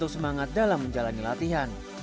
semangat dalam menjalani latihan